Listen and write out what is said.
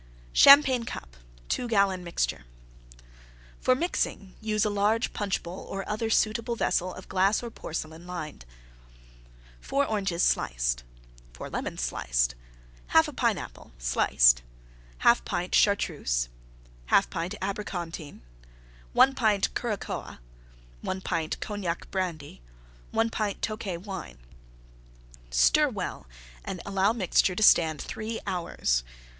CHAMPAGNE CUP (2 gallon mixture) For mixing use a large Punch bowl or other suitable vessel of glass or porcelain lined. 4 Oranges, sliced. 4 Lemons, sliced. 1/2 Pineapple, sliced. 1/2 pint Chartreuse. 1/2 pint Abricontine. 1 pint Curacoa. 1 pint Cognac Brandy. 1 pint Tokay Wine. Stir well and allow mixture to stand three hours.